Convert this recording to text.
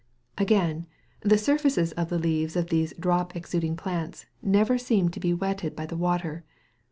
Again, the surfaces of the leaves of these drop exuding plants never seem to be wetted by the water.